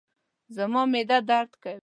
زما معده درد کوي